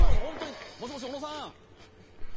もしもし小野さん。